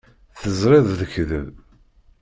Teẓriḍ d lekdeb.